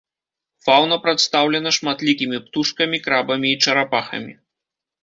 Фаўна прадстаўлена шматлікімі птушкамі, крабамі і чарапахамі.